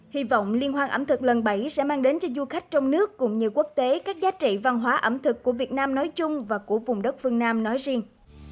hy vọng liên hoan ẩm thực lần bảy sẽ mang đến cho du khách trong nước cũng như quốc tế các giá trị văn hóa ẩm thực của việt nam nói chung và của vùng đất phương nam nói riêng